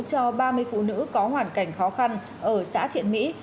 cho ba mươi phụ nữ có hoàn cảnh khó khăn ở xã thiện mỹ